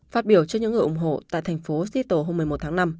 phát biểu cho những người ủng hộ tại thành phố sitle hôm một mươi một tháng năm